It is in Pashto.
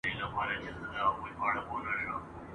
د څو شېبو لپاره !.